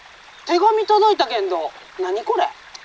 「手紙届いたけんど何これ？」。